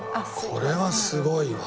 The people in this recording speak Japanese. これはすごいわ。